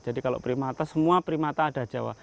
jadi kalau primata semua primata ada di jawa